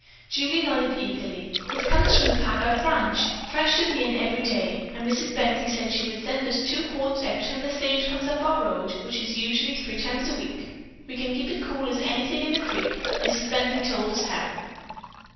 Julie nodded eagerly. "It comes from the Packard ranch, fresh to the inn every day, and Mrs. Bently said she would send us two quarts every time the stage comes up our road, which usually is three times a week. We can keep it cool as anything in the creek. Mrs. Bently told us how."